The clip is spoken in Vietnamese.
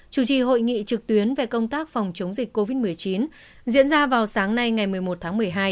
chủ trì hội nghị trực tuyến về công tác phòng chống dịch covid một mươi chín diễn ra vào sáng nay ngày một mươi một tháng một mươi hai